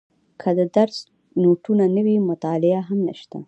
که د درس نوټونه نه وي مطالعه هم نشته.